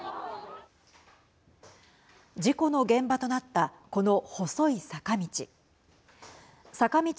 事故の現場となったこの細い坂道。